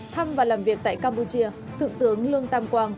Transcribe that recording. thăm và làm việc tại campuchia thượng tướng lương tam quang